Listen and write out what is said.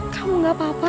kamu gak apa apa